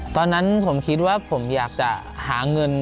ตอนนั้นผมคิดว่าผมอยากจะหาเงิน